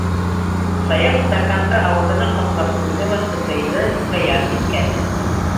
- Саяф, стаканды ауыҙына ҡаплап ҡуйҙы ла сытыйҙы, ҡыяр еҫкәне.